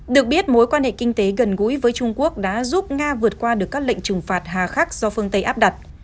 được biết mối quan hệ kinh tế gần gũi với trung quốc đã giúp nga vượt qua được các lệnh trừng phạt hà khắc do phương tây áp đặt